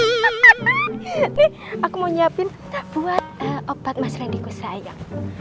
nih aku mau nyiapin buat obat mas rendy ku sayang